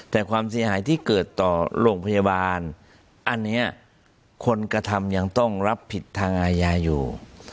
แต่ความเสียหายที่เกิดต่อโรงพยาบาลอันนี้คนกระทำยังต้องรับผิดทางอาญาอยู่